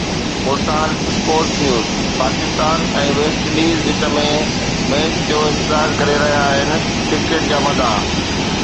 Multan (sports news) Pakistan ۽ West Indies وچ ۾ match جو انتظار ڪري رهيا آهن ڪرڪيٽ جا مداح